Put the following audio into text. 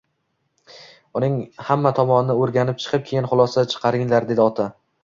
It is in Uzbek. Uning hamma tomonini o`rganib chiqib, keyin xulosa chiqaringlar, dedi ota